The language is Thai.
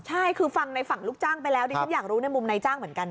ใช่คือฟังในฝั่งลูกจ้างไปแล้วดิฉันอยากรู้ในมุมนายจ้างเหมือนกัน